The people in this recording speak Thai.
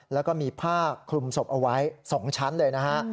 แล้วก็มีผ้าคลุมศพเอาไว้๒ชั้นเลยนะฮะ